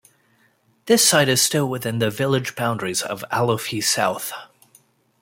This site is still within the village boundaries of Alofi South.